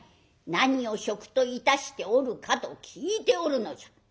何を職といたしておるかと聞いておるのじゃ」。